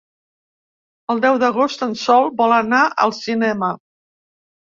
El deu d'agost en Sol vol anar al cinema.